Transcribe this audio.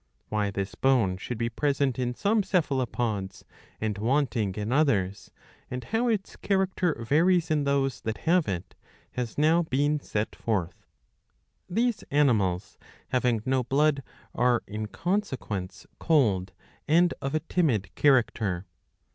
'^ Why this bone should be present in some Cephalopods, and wanting in others, and how its character varies in those that have it, has now been set forth. These animals, having no blood, are in consequence cold and of a timid character.'